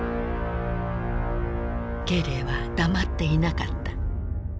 慶齢は黙っていなかった。